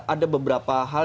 ada beberapa hal